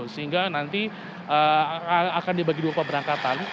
sehingga nanti akan dibagi dua pemberangkatan